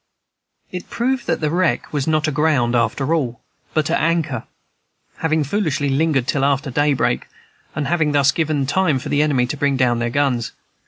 It proved that the wreck was not aground after all, but at anchor, having foolishly lingered till after daybreak, and having thus given time for the enemy to bring down then: guns.